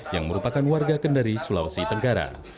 yang merupakan warga kendari sulawesi tenggara